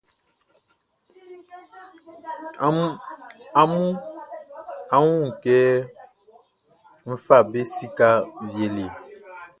Amun a wun kɛ n fa be sikaʼn wie le?